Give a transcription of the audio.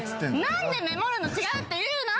何で「メモるの違う」って言うの⁉